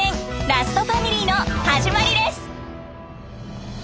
ラストファミリー」の始まりです。